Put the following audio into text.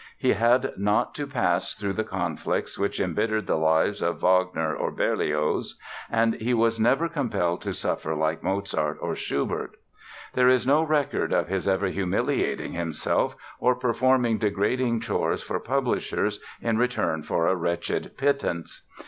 He had not to pass through the conflicts which embittered the lives of Wagner or Berlioz, and he was never compelled to suffer like Mozart or Schubert. There is no record of his ever humiliating himself or performing degrading chores for publishers in return for a wretched pittance.